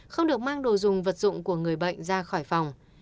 không được mang đồ dùng vật dụng của người bệnh ra khỏi phòng